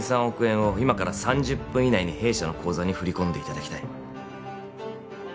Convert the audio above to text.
３億円を今から３０分以内に弊社の口座に振り込んでいただきたい